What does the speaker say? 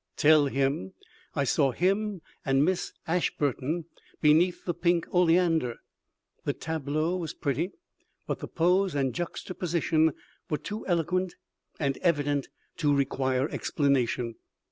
Tell him I saw him and Miss Ashburton beneath the pink oleander. The tableau was pretty, but the pose and juxtaposition were too eloquent and evident to require explanation.